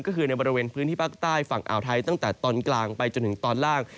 ก็คือในบริเวณพื้นที่ภาคใต้ฝั่งอ่าวไทยตั้งแต่ตอนกลางไปจนถึงตอนล่าง